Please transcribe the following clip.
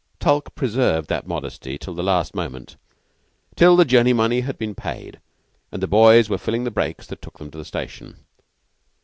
Tulke preserved that modesty till the last moment till the journey money had been paid, and the boys were filling the brakes that took them to the station.